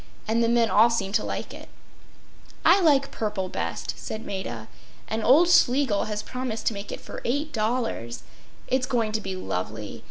And the men all seem to like it.” “I like purple best,” said Maida. “And old Schlegel has promised to make it for $8. It’s going to be lovely.